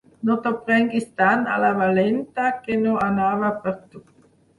No t'ho prenguis tan a la valenta que no anava per tu.